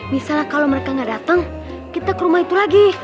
misalnya kalau mereka nggak datang kita ke rumah itu lagi